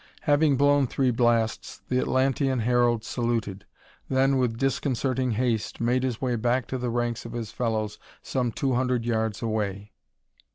Having blown three blasts, the Atlantean herald saluted; then, with disconcerting haste, made his way back to the ranks of his fellows some two hundred yards away.